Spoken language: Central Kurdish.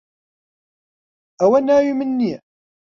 ئەوە ناوی من نییە.